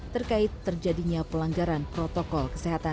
terkait terjadinya pelanggaran protokol